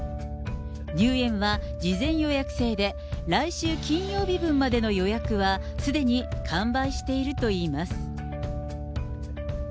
入園は事前予約制で、来週金曜日分までの予約はすでに完売しているといいます。